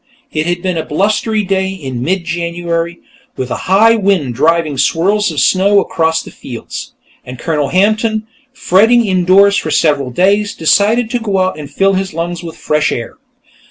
It had been a blustery day in mid January, with a high wind driving swirls of snow across the fields, and Colonel Hampton, fretting indoors for several days, decided to go out and fill his lungs with fresh air.